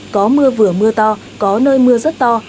có mưa vừa mưa to có nơi mưa rất to